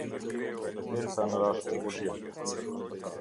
Kompetenca në raste urgjente.